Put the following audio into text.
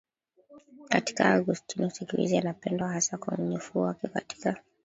katika Augustino Siku hizi anapendwa hasa kwa unyofu wake katika